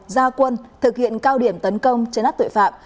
gia quân thực hiện cao điểm tấn công trên áp tội phạm